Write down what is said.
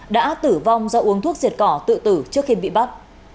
đã tử vong do uống thuốc diệt cỏ tự tử trước khi bị bắt